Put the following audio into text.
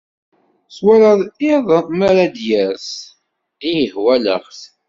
Twalaḍ iḍ mi ara d-ires? Ih walaɣ-t.